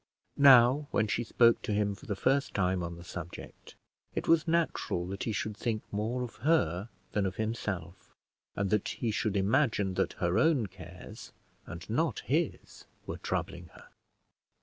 Now, when she spoke to him for the first time on the subject, it was natural that he should think more of her than of himself, and that he should imagine that her own cares, and not his, were troubling her.